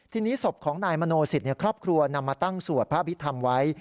ทีนี้ศพของนายมโนสิตครอบครัวนำมาตั้งสวดพระอภิษฐรรมไว้